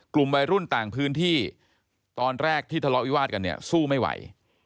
กลุ่มวัยรุ่นต่างพื้นที่ตอนแรกที่ทะเลาะวิวาสกันเนี่ยสู้ไม่ไหว